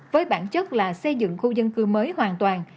với bản chất là xây dựng khu dân cư mới hoàn toàn